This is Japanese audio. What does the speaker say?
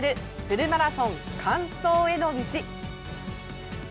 フルマラソン完走への道」。